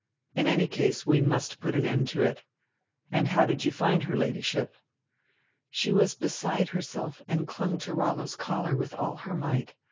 In any case we must put an end to it. And how did you find her Ladyship?" "She was beside herself and clung to Rollo' s collar with all her might.